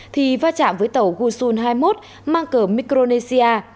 thì va chạm với tàu uson hai mươi một mang cờ micronesia